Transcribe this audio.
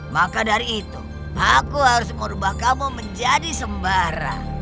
maka dari itu aku harus merubah kamu menjadi sembarang